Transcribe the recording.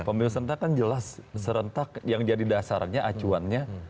pemilu serentak kan jelas serentak yang jadi dasarnya acuannya